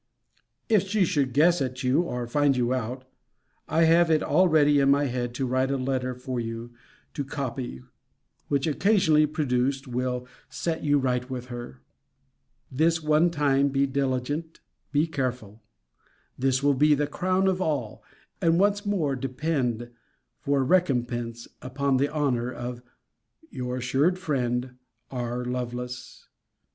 If she should guess at you, or find you out, I have it already in my head to write a letter for you to copy,* which, occasionally produced, will set you right with her. * See Vol.III. Letter XXI. This one time be diligent, be careful: this will be the crown of all: and once more, depend, for a recompense, upon the honour of Your assured friend, R. LOVELACE.